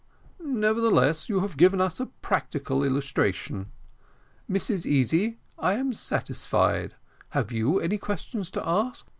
"Nevertheless you have given us a practical illustration. Mrs Easy, I am satisfied. Have you any questions to ask?